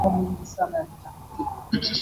Katika kura maalumu ya wananchi kuhusu katiba